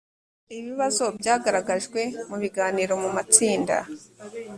ibibazo byagaragajwe mu biganiro mu matsinda